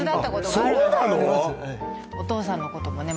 はいお父さんのこともね